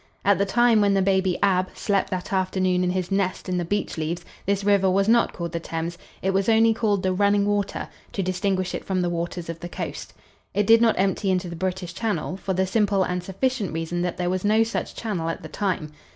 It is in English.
At the time when the baby, Ab, slept that afternoon in his nest in the beech leaves this river was not called the Thames, it was only called the Running Water, to distinguish it from the waters of the coast. It did not empty into the British Channel, for the simple and sufficient reason that there was no such channel at the time.